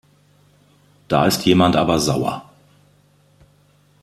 Da ist jemand aber sauer.